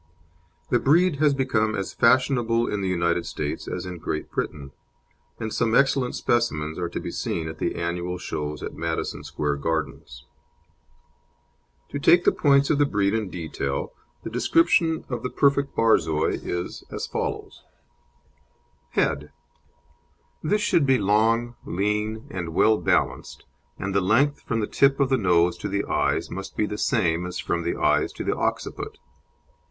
The breed has become as fashionable in the United States as in Great Britain, and some excellent specimens are to be seen at the annual shows at Madison Square Gardens. To take the points of the breed in detail, the description of the perfect Borzoi is as follows: HEAD This should be long, lean, and well balanced, and the length, from the tip of the nose to the eyes, must be the same as from the eyes to the occiput.